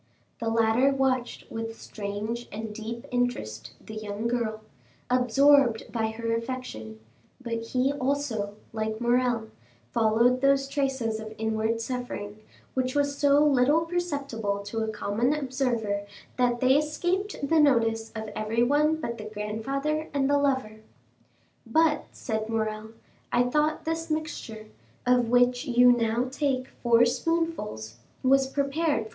The latter watched with strange and deep interest the young girl, absorbed by her affection, and he also, like Morrel, followed those traces of inward suffering which was so little perceptible to a common observer that they escaped the notice of everyone but the grandfather and the lover. "But," said Morrel, "I thought this mixture, of which you now take four spoonfuls, was prepared for M.